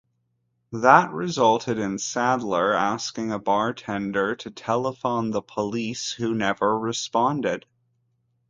That resulted in Sadler asking a bartender to telephone the police, who never responded.